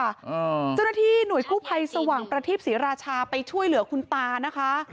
เจ้าหน้าที่หน่วยกู้ภัยสว่างประทีปศรีราชาไปช่วยเหลือคุณตานะคะ